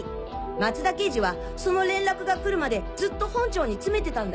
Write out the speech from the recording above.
松田刑事はその連絡が来るまでずっと本庁に詰めてたんだよね。